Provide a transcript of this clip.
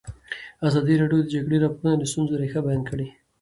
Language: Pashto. ازادي راډیو د د جګړې راپورونه د ستونزو رېښه بیان کړې.